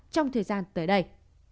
trong thời gian tới đây